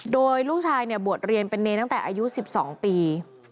โดยลูกชายเนี่ยบวชเรียนเป็นเนรตั้งแต่อายุ๑๒ปี